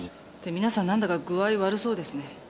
って皆さん何だか具合悪そうですね。